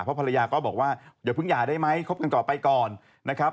ภรรยาก็บอกว่าเดี๋ยวพึ่งหย่าได้ไหมครบกันต่อไปก่อนนะครับ